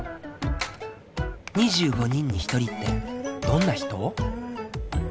２５人に１人ってどんな人？